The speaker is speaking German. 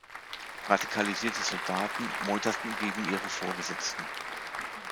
Radikalisierte Soldaten meuterten gegen ihre Vorgesetzten.